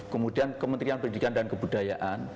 kemudian kementerian pendidikan dan kebudayaan